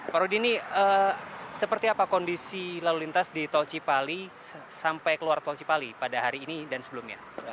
pak rudini seperti apa kondisi lalu lintas di tol cipali sampai keluar tol cipali pada hari ini dan sebelumnya